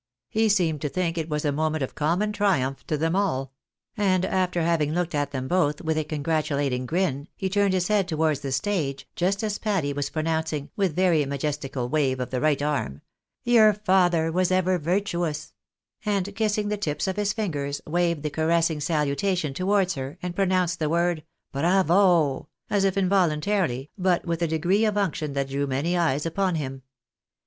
He seemed to think it was a moment of common triumph to them all ; and after having looked at them both with a congratulating grin, he turned his head to wards the stage just as Patty was pronouncing, with a very majes tical wave of the right arm — Your father was ever virtuous — and kissing the tips of his fingers, waved the caressing salutation towards her, and pronounced the word "Bravo!" as if involun tarily, but with a degree of unction that drew many eyes upon him.